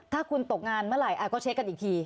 ถ้าคุณตกงานเมื่อไหร่ก็เช็คกันอีกที